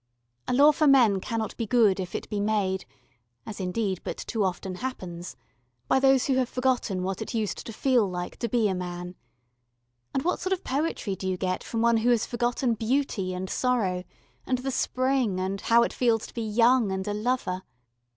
A law for men cannot be good if it be made as indeed but too often happens by those who have forgotten what it used to feel like to be a man; and what sort of poetry do you get from one who has forgotten beauty and sorrow, and the Spring, and how it feels to be young and a lover?